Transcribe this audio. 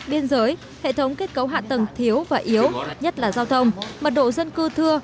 biên giới hệ thống kết cấu hạ tầng thiếu và yếu nhất là giao thông mật độ dân cư thưa